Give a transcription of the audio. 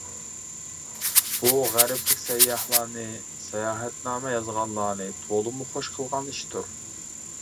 بۇ غەربلىك سەيياھلارنى، ساياھەتنامە يازغانلارنى تولىمۇ خوش قىلغان ئىشتۇر.